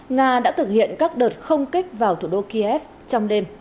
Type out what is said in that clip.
nga đã thực hiện các đợt không kích vào thủ đô kiev trong đêm